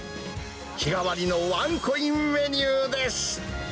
日替わりのワンコインメニューです。